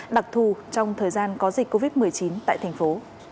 đặc thù trong thời gian có dịch covid một mươi chín tại thành phố